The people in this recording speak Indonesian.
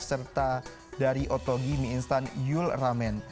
serta dari otogi mi instant yul ramen